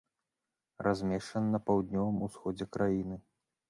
Размешчана на паўднёвым усходзе краіны.